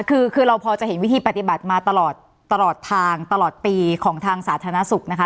คือเราพอจะเห็นวิธีปฏิบัติมาตลอดตลอดทางตลอดปีของทางสาธารณสุขนะคะ